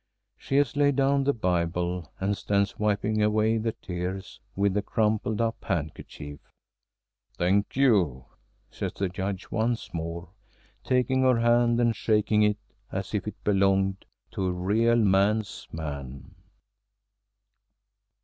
She has laid down the Bible and stands wiping away the tears with the crumpled up handkerchief. "Thank you!" says the Judge once more, taking her hand and shaking it as if it belonged to a real man's man.